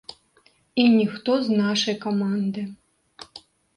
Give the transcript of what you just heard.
І ніхто з нашай каманды.